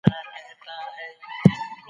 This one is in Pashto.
ستا تصوير خپله هينداره دى زما ګراني